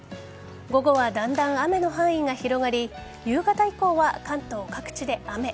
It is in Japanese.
午後はだんだん雨の範囲が広がり夕方以降は関東各地で雨。